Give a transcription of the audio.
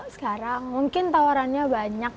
sekarang mungkin tawarannya banyak